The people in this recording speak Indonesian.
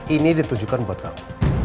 ini ditujukan buat kamu